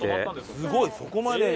すごい！そこまで。